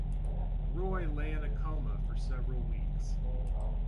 Roy lay in a coma for several weeks.